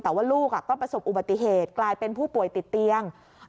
แต่ว่าลูกก็ประสบอุบัติเหตุกลายเป็นผู้ป่วยติดเตียง